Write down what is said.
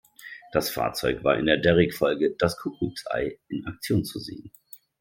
Das Fahrzeug war in der Derrick-Folge "Das Kuckucksei" in Aktion zu sehen.